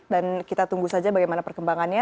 dan kita tunggu saja bagaimana perkembangannya